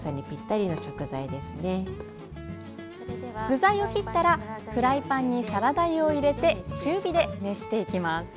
具材を切ったらフライパンにサラダ油を入れて中火で熱していきます。